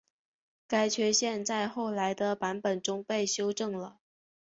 该缺陷在后来的版本中被修正了。